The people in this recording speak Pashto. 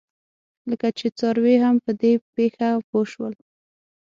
لکه چې څاروي هم په دې پېښه پوه شول.